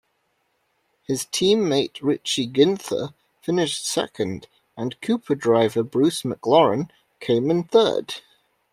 His teammate Richie Ginther finished second and Cooper driver Bruce McLaren came in third.